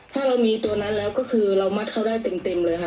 ถ้าเรามีตัวนั้นแล้วก็คือเรามัดเขาได้เต็มเลยค่ะ